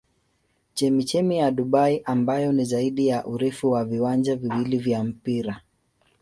Chemchemi ya Dubai ambayo ni zaidi ya urefu wa viwanja viwili vya mpira.